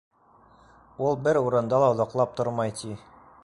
Ул бер урында ла оҙаҡлап тормай, ти.